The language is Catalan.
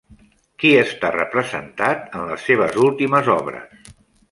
Qui està representat en les seves últimes obres?